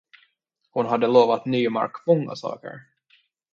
Hon hade lovat Nymark många saker.